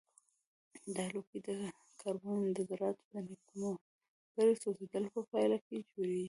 دا لوګی د کاربن د ذراتو د نیمګړي سوځیدلو په پایله کې جوړیږي.